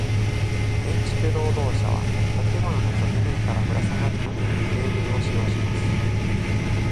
建築労働者は、建物の側面からぶら下がるためにケーブルを使用します。